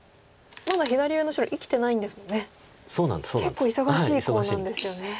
結構忙しいコウなんですよね。